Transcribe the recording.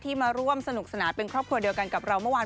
มาร่วมสนุกสนานเป็นครอบครัวเดียวกันกับเราเมื่อวาน